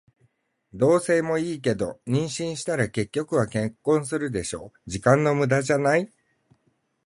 同棲もいいけど、妊娠したら結局は結婚するでしょ。時間の無駄じゃない？